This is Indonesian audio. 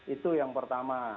itu yang pertama